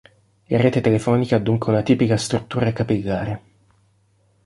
La rete telefonica ha dunque una tipica struttura 'capillare'.